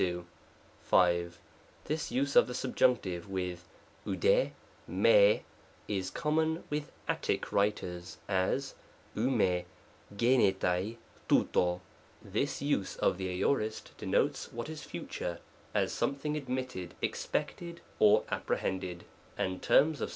V. This use of the Subjunctive with ovdi, /Lti], is common with Attic writers ; as, ov /urj ysvr^rcu rovro. This use of the Aorist denotes what is future, as some thing admitted, expected, or apprehended ; and terms of.